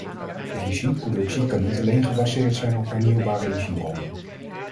Energieproductie kan niet alleen gebaseerd zijn op hernieuwbare energiebronnen.